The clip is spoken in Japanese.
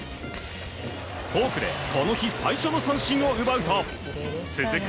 フォークでこの日最初の三振を奪うと続く